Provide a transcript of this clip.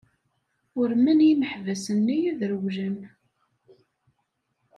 Urmen yimeḥbas-nni ad rewlen.